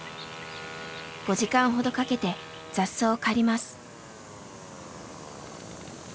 ５時間ほどかけて雑草を刈ります。